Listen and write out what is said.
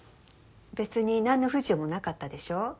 別に何の不自由もなかったでしょ。